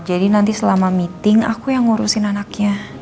jadi nanti selama meeting aku yang ngurusin anaknya